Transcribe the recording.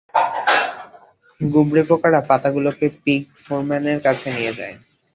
গুবরে পোকারা পাতাগুলোকে পিগ ফোরম্যানের কাছে নিয়ে যায়।